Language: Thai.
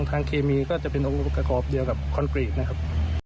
เคมีก็จะเป็นองค์ประกอบเดียวกับคอนกรีตนะครับ